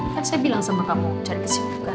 kan saya bilang sama kamu cari kesibukan